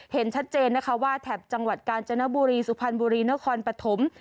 เห็นชัดเจนนะคะว่าแถบจังหวัดกาญจนบุรีสุพรรณบุรีนครปฐม